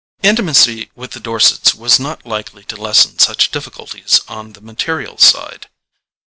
Intimacy with the Dorsets was not likely to lessen such difficulties on the material side.